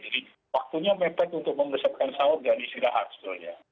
jadi waktunya mepet untuk mempersiapkan sahur dan istirahat sebenarnya